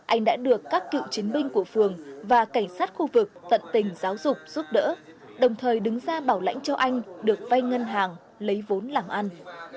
anh đã được các cựu chiến binh của phường và cảnh sát khu vực tận tình giáo dục giúp đỡ đồng thời đứng ra bảo lãnh cho anh được vay ngân hàng lấy vốn làm ăn